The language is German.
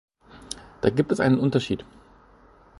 Da gibt es einen Unterschied.